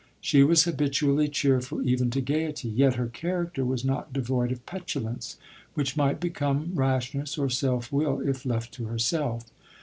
She was habitually cheerful even to gaiety ; yet her character was not devoid of petulence, which might become rashness or self will if left to herself.